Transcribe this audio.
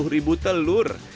sepuluh ribu telur